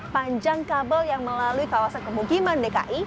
panjang kabel yang melalui kawasan pemukiman dki